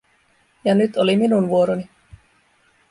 Ja nyt oli minun vuoroni.